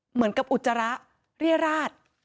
เหมือนกับอุจจาระเรียราช